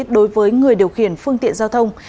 đối với người điều khiển phương tiện giao thông